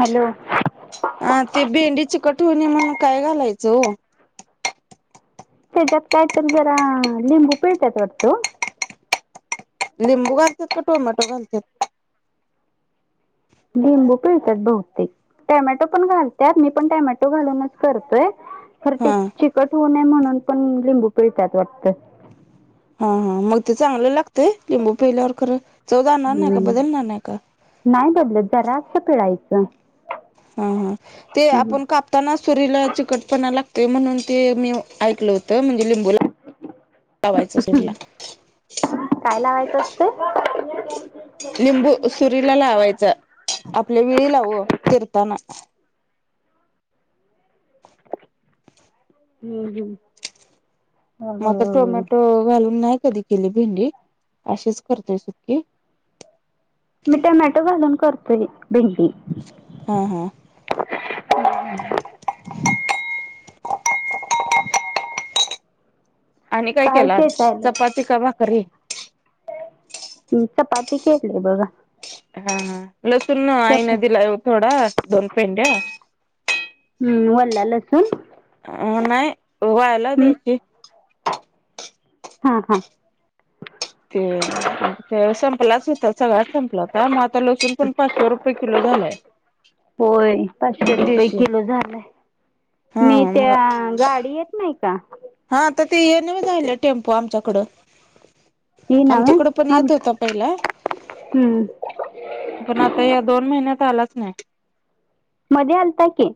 Hello हा ते भेंडी चिकट होउ नये म्हणून काय घालायचं हो? त्याच्यात कायतरी जरा लिंबू पिळत्यात वाटतं. लिंबू घालतात का? टोमॅटो घालत्यात? लिंबू पिळ टॅमॅटो पण घालते खर ते हा चिकट होऊ नये म्हणून पण लिंबू पिळता. हा हा मग ते चांगलं लागतंय? लिंबू पिळल्यावर खरं चव जा णार नाही का? हम्म. बदलणार नाही का? नाही बदलत जरासं पिळायचं हं हं ते हम्म. आपण काप ताना सुरीला चिकटपणा लागते म्हणून ते मी ऐकलं. त म्हणजे लिंबू लावायचं सुडला काय लावायचं असतंय? लिंबू सुरीला लावायचा, आपल्या वेळी लाव चिरताना. हम्म हम्. मग आता टोमॅटो घालून नाही कधी केली भेंडी, अशीच करतेय सुक्की. मी टोमॅटो घालून करतोय भेंडी. ह हां आणि काय केलं आज चपाती कि भाकरी? मी चपाती केली बघा. हा लसूण आई चपा नं दिलाय थोडा दोन पेंड्या. हम्म वल्ला लसूण? अं न्हाई व्हायला हम्म. देतील. हा हा. ते मग ते संपलाच होता, सगळ्याच संपला. हा मं आता लसूण पण पाचशे रुपये किलो झालाय. होय पाचशे रुपये देशी किलो झालाय हा मी मग त्या गाडी येत नाही का हा तर ते येन मी राहिलं टेम्पो आमच्याकडं ती नव्हे आमच्याकडें पण आम येत होता पहिला हम्म पण आता या दोन महिन्यात आलाच नाही मध्ये आलता के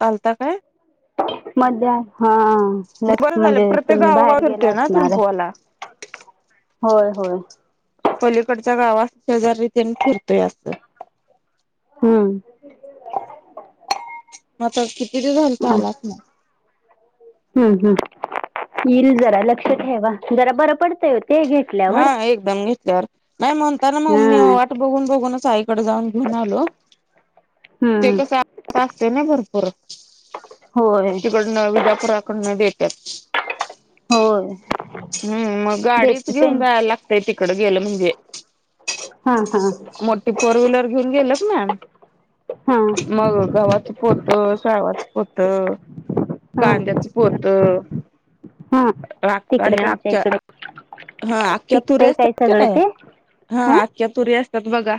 चालता काय मध हा लक्ष बरं म्हणजे तुम्ही बाहेर गेला असणार हला होय होय पलीकडचा गावा शेजार रती्याने फरतोय असं हम्म मता किती झा चा अ आलात ना हम्म हम्म येईल जरा लक्ष ठेवा जरा बरं पडतय ते घ हा एकदम घेतल्यावर नाही म्हणता ना मग मी हम्म वाट बघून बघूनच साईकडे जाऊन घेऊन आलो. हम्म असतेय ना भरपूर होय तिकडनं विजापुराकडन देत तेत होय गाडीच देतत घेऊन जाया लागतय तिकडं गेलं म्हणजे. हा हा मोठी फोर व्हीलर घेऊन गेलत मॅम हा मग गवाच पोत त सवाच होत हा कांद्याच पोत हा तिकडे आणि त्यांच्या आखच्या इकडे हा आखख्या तू पिकतय रेस काय सगळं नाही ते हा इख्या तुरी असतात बघा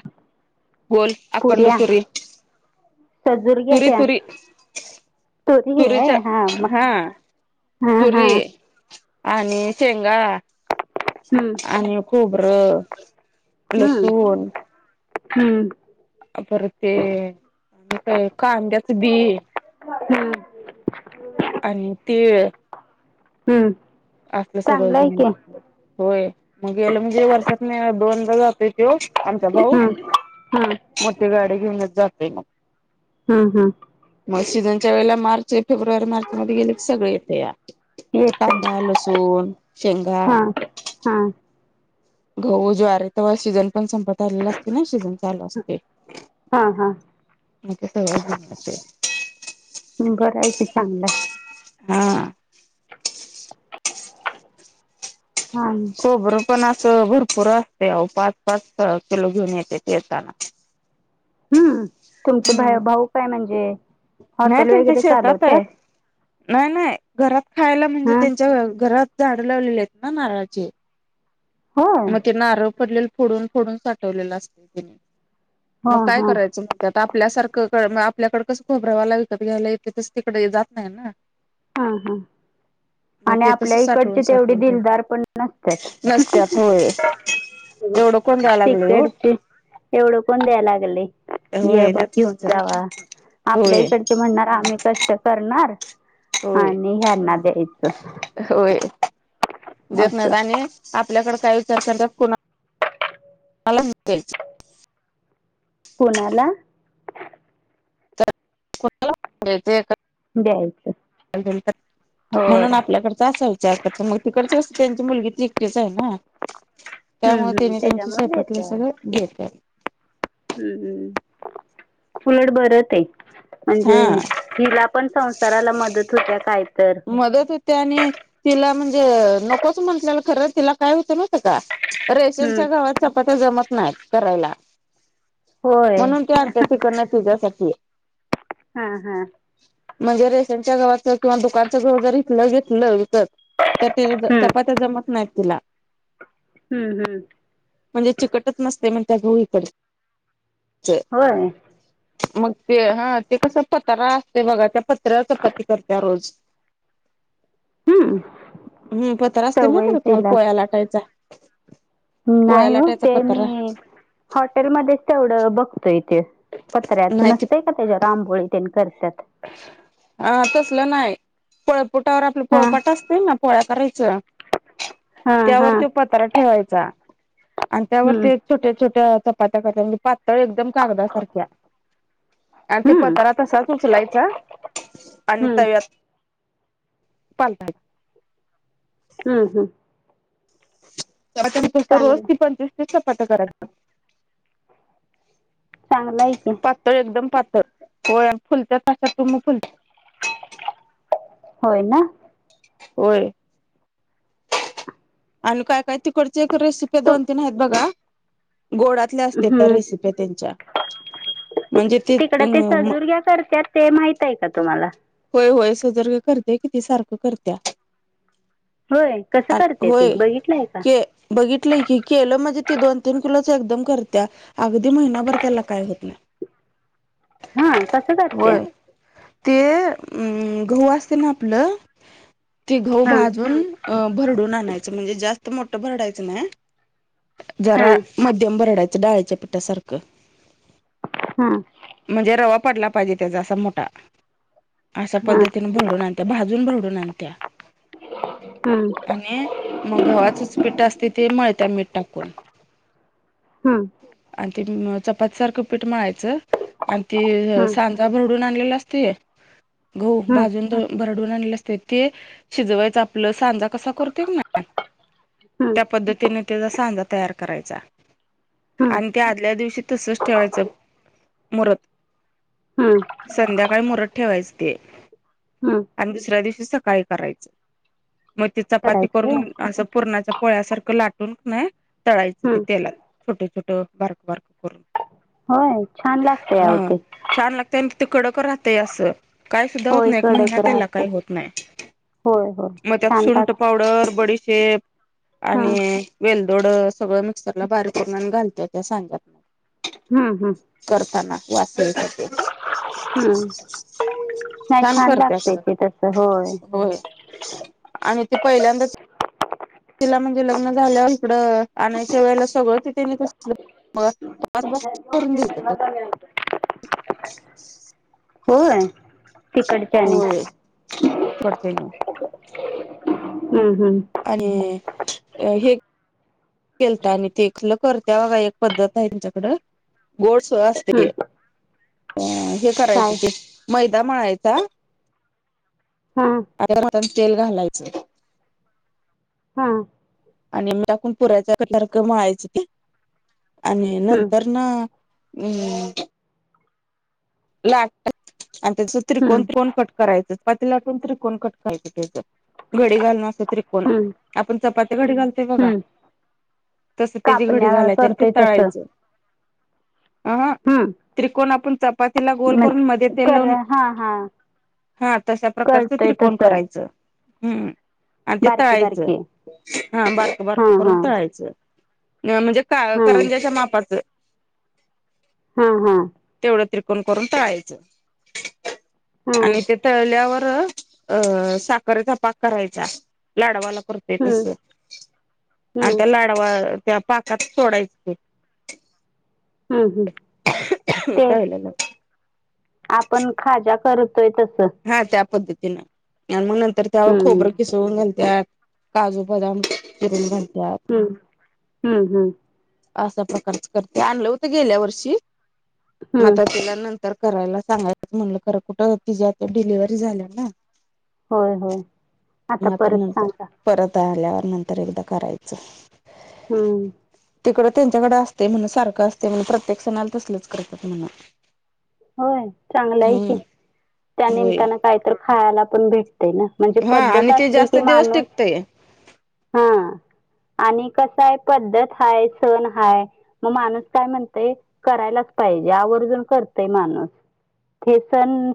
गोल अखंड पुऱ्या तुरी सजूर तुरी घेत्या तुरी तुरी होय तुरीच्या मग हा हा हा तुरी आणि शेंगा हम्म आणि खूबर हम्म हम्म पर ते आणि काय कांद्याच बी हम्म आणि तीळ हम्म असलं सगळं चांगलं आहे ज की होय मग याला म्हणजे वर्षात दोनदा जातोय तो आमचा भाऊ हम्म हम्म मोठी गाडी घेऊनच जातोय मग. हा हा. मग सीझनच्या वेळेला मार्च, फेब्रुवारी, मार्चमध्ये गेलं की सगळं येतया. [unintelligible] दा, लसूण, शेंगा हा हा. गहू, ज्वारी तेव्हा सीजन पण संपत झालेलं असतं ना, सीजन चालू असतंय. हा हा मग ते सगळं घेऊन येतंय. बरं आहे की चांगलंय. हा. हा. खोबरंपण असं भरपूर असतय आओ, पाच पाच किलो घेऊन येत्यात येताना. हम्म, तुमच भा हम्म भाऊ काय म्हणजे नाही हॉटेल त्यांच्या वगैरे शेतात चालवत्यात? आहे. नाही नाही, घरात खायला म्हणजे हा त्यांच्या घरात झाडं लावलेली आहेत ना नारळाचे. होय मग ते नारळ पडलेल फोडून फोडून साठवलेलं असतंय. हा मग काय हा करायचं? त्यात आपल्यासारखं आपल्याकडे कसं खोबरावाला विकत घ्यायला येतंय, तसं तिकडं जात नाही ना. ह ह मग आणि ते आपल्या तसं साठवून इकडचे तेवढे साठवून दिलदार ठेवतात पण नसत्यात. नसत्यात होय. एवढं कोण द्याय लागलंय ओ. तिकडची एवढं कोण द्याय लागलय, ये होय बघ देत घेऊन नसत्यात जावा, आपल्या होय इकड म्हणणार आम्ही कष्ट करणार होय आणि ह्यांना द्यायचं. होय देत नाहीत असं आणि आपल्याकडे काय विचार करतात, कोणा [unintelligible] कुणाला? [unintelligible] द्यायचं होय म्हणून आपल्याकडचं असं हो त्याकडच मग तिकडच कस त्यांची मुलगी ती एकटीच आहे ना. हम्म त्यामुळे हम्म त्यांनी त्यांचे त्याच्यामुळे शेतातले देत्यात सगळं घेत्यात. हम्म, उलट बर ते म्हणजे हा तिलापण संसाराला मदत होत्या काय तर. मदत होते आणि तिला म्हणजे नकोच म्हटलेलं खरं, तिला काय होतं माहिती हाय का? हम्म रेशनच्या गव्हात चपात्या जमत नाही करायला. होय म्हणून ती आणत्यात तिकडनं तुझ्यासाठी. हा हा. म्हणजे रेशनच्या गव्हाचं किंवा दुकानचं गहू जरी घेतलं घेतलं तर, तर ते हम्म चपात्या जमत नाहीत तिला. हम्म हम्म. म्हणजे चिकटच नसतंय म्हणत्या, गहू इकडचे. होय. मग ते हा ते कसं पत्रा ते बघा, त्या पत्र्यावर चपाती करत्या रोज. हम्म हम्म पत्रा असतंय माहित आहे सवय का तुम्हाला तिला पोळ्या लाटायचा? पोळ्या नाही हो, लाटायचा ते पतारा मी हॉटेलमध्येच तेवढं बघतोय ते पत्र्याचं नाही नसतंय त्याच्यात आंबोळी तेन करत्यात. हा तसलं नाही, पळपुटावर आपलं हां पोळपाट असतंय ना पोळ्या करायचं, हां त्यावर हां तो पत्रा ठेवायचा. आणि त्यावर हं ते छोट्या छोट्या चपात्या करत्यात्या म्हणजे पातळ एकदम कागदासारख्या आणि ते हं पत्रात तसाच उचलायचा आणि हं तव्यात पालथा हू हू त्यात आणि कस चांगलं रोज [unintelligible] तस पट करांयचा चांगला आहे की, पातळ एकदम पातळ पोळ्या फुलतात तशा तुम्ही पण होय ना. होय. आणि काय काय तिकडची एक रेसिपी तू दोन तीन आहेत बघा गोडात तिथल्या असतात त्या हं रेसिप्या त्यांच्या म्हणज ते ते तिकडं म सजूरग्या करत्यात ते माहित आहे का तुम्हाला होय होय सुजर्ग करते की ते सारखं करत्या. होय कसं करत्या ते बघितलं हाय का? बघितलं की, केलं म्हणजे ती दोन तीन किलोची एकदम करत्या. अगदी महिनाभर त्याला काय होत नाय.. हा कसं करत्या. होय ते अ गहु असते ना आपलं ते गहु हां भाजून अ भरडून आणायचं म्हणजे जास्त मोठं भरडायचं नाय हा जरा हां मध्यम भरडायचं डाळीच्या पिठासारखं हा म्हणजे रवा पडला पाहिजे त्याचा असा मोठा अश्या हां पद्धतीने भरडून आणत्या भाजून भरडून आणत्या. [unintelligible] आणि मग गव्हाचच पिठ असतय ते मळत्या मीठ टाकून. हम्म आणि त चपातीसारखं पीठ मळायचं आणि ते हं सांन भरडून आणलेला असतय गहू हं भाजून दळून. भरडून आणले असते ते शिजवायचं आपलं सांजा कसा करतो की ना [unintelligible] हां त्या पद्धतीने त्याचा सांजा तयार करायचा. हं आणि त्या आदल्या दिवशी तसच ठेवायचं मुरत. हम्म संध्याकाळी मुरत ठेवायच ते हम्म आणि दुसऱ्या दिवशी सकाळी करायचं मग त चपाती करायची होय? करून असं पूरणा चा पोळ्यासारखं लाटून क नाय तळायचं ते हम्म. तेलात छोट छोट बारक बारक करून. होय छान लागतय अहो ते त्यांनी ते कडक राहतय असं काय सुद्धा होत होय नाहीत एक कडक महिना त्याला राहते. काय होत नाय होय होय मग त्यात छान सुंट लागत. पावडर बडी शेप हा. आणि वेलदोड सगळं मिक्सरला बारीक करून आणि घालत्यात त्या सांज्यात मग हूं हूं करताना वाचल साठी हम्म नाय छान करत्या लागतय खरं ते तस होय. आणि ते पहिल्यांदाचं तिला म्हणजे लग्न झालं इकडं आणायच्या वेळेला सगळं ति तेनी तसलं मग चार बस करून देत्यात. [unintelligible] [unintelligible] होय तिकडच्या आणि होय सोडते मी हम्म हम्म आणि हे केलता आणि तेलं करत बघा एक पद्धत आहे त्यांच्याकडं गोडस असते हम्म. अ हे काय करायचं ते मैदा मळायचा हा आ भातात तेल घालायचं, हा आणि मीठ पुराच्या कणकेसारख मळायच ते आणि नंतर ना हम् लाटतात आणि त्याच हम्म त्रिकोण त्रिकोण कट करायच चपाती लाटून त्रिकोण कट करायच त्या घडी घालून कोण हम्म आपण चपाती घडी घालतोय बघा हम्म. तस त्याची घडी कापण्या घालायचे आणि ते करतोय तसं तळायचे अ हम्म त्रिकोणा आपण चपाती वातीला गोल म्हण करून मध्ये तेल कर लावून हा हा हा तशा प्रकारच करतोय त्रिकोण तसं करायच. हम्म आणि ते बारके तळायचं बारके हा बारक हा बारक हा करून तळायचं म्हणजे का हा करंजाच्या मापाचं हा हा तेवढं त्रिकोण करून टळायचं आणि हम्म ते तळल्यावर अ साखरेचा पाक करायचा लाडवाला कर ते तस आणि हम्म त्या लाडवा त्या पाकात सोडायचं ते हम् ह् ते आपण खजा करतोय तस हा त्या पद्धतीनं आणि मग नंतर त्यावर हम्म खोबरं क चिरून घालतात काजू बदाम चिरून घालतात, हम्म हम्म हम्म असा प्रकारच करते आणलं होत गेल्या वर्षी हम्म माता तीला नंतर तर करायला सांगायचं म्हटलं खर कुठं ति आता डिलिव्हरी झाल्या ना होय होय आता मग परत नंतर सांगा परत आल्यावर नंतर एकदा करायचं हम्म तिकडं त्यांच्याकडें असते म्हण सारखं असते म्हण प्रत्येक सणाला तसलच करतात म्हणा, होय चांगलं आहे कि, त्या होय निमतानं काहीत खायला पण भेट ना म्हणजे हा पद्धत आणि ते असली जास्त कि दिवस माणूस टिकतय. हा आणि कसाय पद्धत हा सण हाय मग माणूस काय म्हणतय करायलाच पाहिजे आवर्जून करत. ते मानस सन